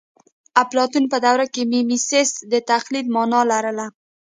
اپلاتون په دوره کې میمیسیس د تقلید مانا لرله